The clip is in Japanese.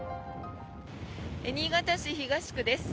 新潟市東区です。